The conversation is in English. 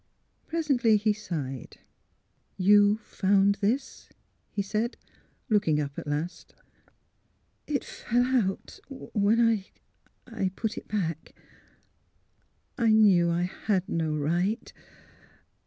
Presently he sighed. '' You — found this? " he said, looking up at last. '' It fell out — ^when I I put it back. I knew I had no — right."